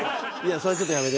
それはちょっとやめて。